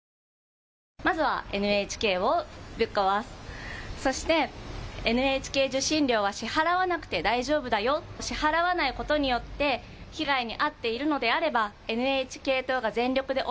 まずはＮＨＫをぶっ壊す、そして、ＮＨＫ受信料は支払わなくて大丈夫だよ、支払わないことによって被害に遭っているのであれば、ＮＨＫ党が全力で